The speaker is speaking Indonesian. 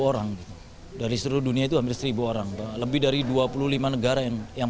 orang dari seluruh dunia itu hampir seribu orang lebih dari dua puluh lima negara yang